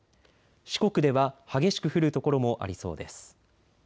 四国では激しく降る所もありそうです。